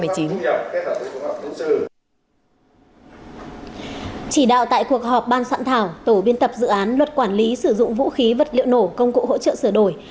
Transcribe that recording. chỉ đạo tại cuộc họp ban soạn thảo tổ biên tập dự án luật quản lý sử dụng vũ khí vật liệu nổ công cụ hỗ trợ sửa đổi